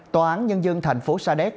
tòa án nhân dân tp sa đéc